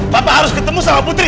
papa harus ketemu sama putri